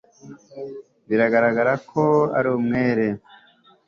biragaragara ko ari umwere